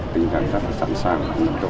tinh thần đã sẵn sàng